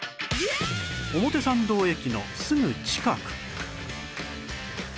表参道駅のすぐ近く